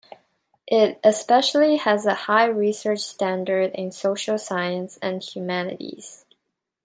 It especially has a high research standard in Social Science and Humanities.